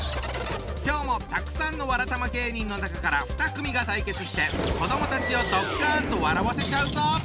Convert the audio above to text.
今日もたくさんのわらたま芸人の中から２組が対決して子どもたちをドッカンと笑わせちゃうぞ！